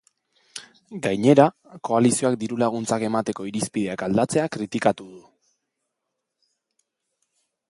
Gainera, koalizioak diru-laguntzak emateko irizpideak aldatzea kritikatu du.